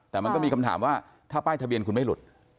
แต่มันก็มีคำถามว่าถ้าป้ายทะเบียนคุณไม่หลุด